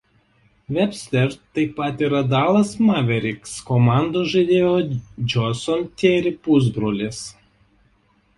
Webster taip pat yra Dallas "Mavericks" komandos žaidėjo Jason Terry pusbrolis.